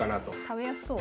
食べやすそう。